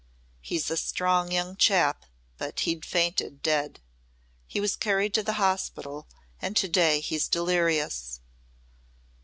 He's a strong young chap but he'd fainted dead. He was carried to the hospital and to day he's delirious."